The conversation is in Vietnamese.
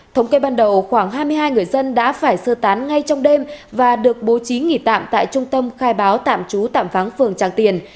thống kê ban đầu khoảng hai mươi hai người dân đã phải sơ tán ngay trong đêm và được bố trí nghỉ tạm tại trung tâm khai báo tạm trú tạm vắng phường tràng tiền